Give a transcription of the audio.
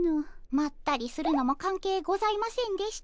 まったりするのも関係ございませんでした。